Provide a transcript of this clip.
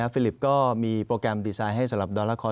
ฟิลิปก็มีโปรแกรมดีไซน์ให้สำหรับดาราละคร